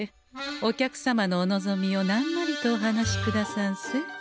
お客様のお望みを何なりとお話しくださんせ。